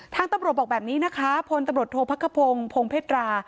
ตำรวจบอกแบบนี้นะคะพลตำรวจโทษพักขพงศ์พงเพตรา